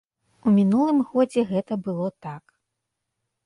У мінулым годзе гэта было так.